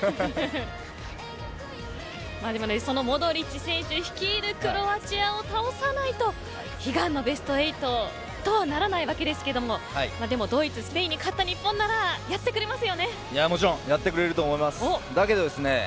モドリッチ選手率いるクロアチアを倒さないと悲願のベスト８とはならないわけですけどでもドイツ、スペインに勝ったもちろんやってくれると思います。